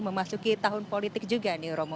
memasuki tahun politik juga nih romo